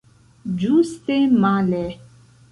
Ĝuste male!